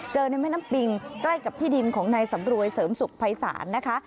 ในแม่น้ำปิงใกล้กับที่ดินของนายสำรวยเสริมสุขภัยศาลนะคะ